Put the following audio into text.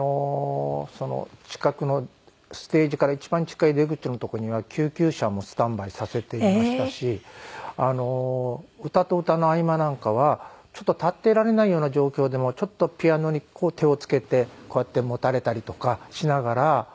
でステージから一番近い出口の所には救急車もスタンバイさせていましたし歌と歌の合間なんかは立っていられないような状況でもちょっとピアノに手をつけてこうやってもたれたりとかしながら。